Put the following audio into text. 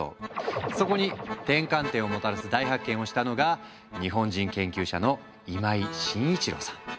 そこに転換点をもたらす大発見をしたのが日本人研究者の今井眞一郎さん。